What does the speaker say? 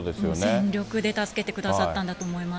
全力で助けてくださったんだと思います。